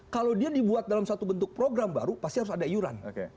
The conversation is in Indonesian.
kalau dia dibuat dalam satu bentuk program baru pasti harus ada iuran